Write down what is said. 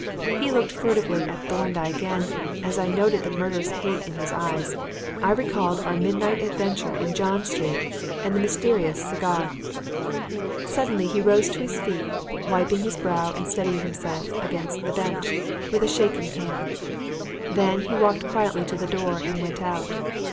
He looked furtively at Thorndyke and, as I noted the murderous hate in his eyes, I recalled our midnight adventure in John Street and the mysterious cigar. Suddenly he rose to his feet, wiping his brow and steadying himself against the bench with a shaking hand; then he walked quietly to the door and went out.